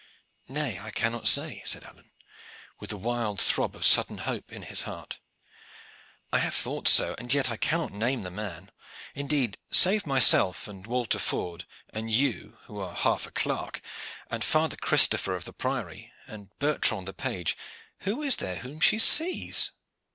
"Nay, I cannot say," said Alleyne, with a wild throb of sudden hope in his heart. "I have thought so, and yet I cannot name the man. Indeed, save myself, and Walter Ford, and you, who are half a clerk, and Father Christopher of the Priory, and Bertrand the page, who is there whom she sees?"